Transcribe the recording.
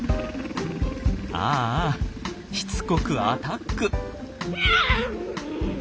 ああしつこくアタック！